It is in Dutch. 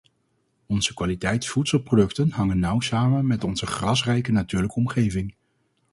Onze kwaliteitsvoedselproducten hangen nauw samen met onze grasrijke natuurlijke omgeving.